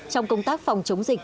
trong công tác phòng chống dịch